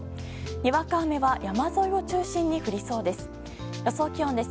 にわか雨は山沿いを中心に降りそうです。